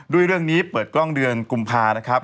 ด้วยเรื่องนี้เปิดกล้องเดือนกุมภานะครับ